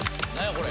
これ。